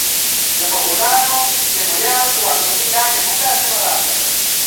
د مغولانو، تیموریانو تر واکمنۍ لاندې هم دا سیمه راغله.